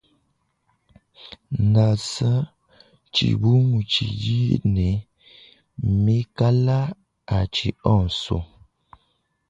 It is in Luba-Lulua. Nansa tshibungu tshidi ne mekala a tshi onso.